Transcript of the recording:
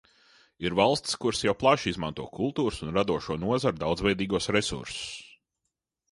Ir valstis, kuras jau plaši izmanto kultūras un radošo nozaru daudzveidīgos resursus.